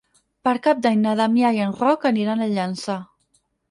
Per Cap d'Any na Damià i en Roc aniran a Llançà.